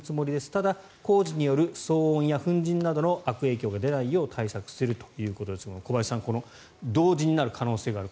ただ、工事による騒音や粉じんなどの悪影響が出ないよう対策するということですが小林さん、同時になる可能性がある。